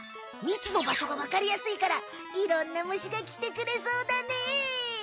みつのばしょがわかりやすいからいろんな虫がきてくれそうだね！